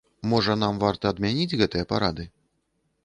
Можа, нам варта адмяніць гэтыя парады?